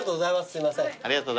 すいません。